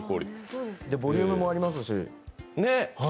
ボリュームもありますし。